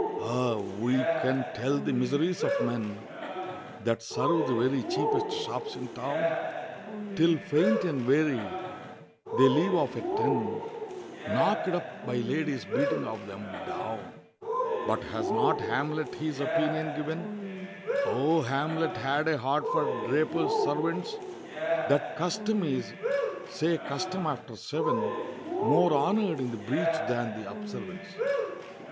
Ah! who can tell the miseries of men That serve the very cheapest shops in town? Till faint and weary, they leave off at ten, Knock'd up by ladies beating of 'em down! But has not Hamlet his opinion given O Hamlet had a heart for Drapers' servants! "That custom is" say custom after seven "More honor'd in the breach than the observance."